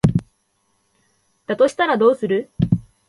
だとしたらどうする？